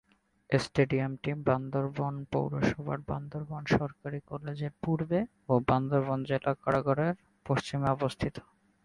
স্টেডিয়ামটি বান্দরবান পৌরসভার বান্দরবান সরকারি কলেজ-এর পূর্বে ও বান্দরবান জেলা কারাগারের পশ্চিমে অবস্থিত।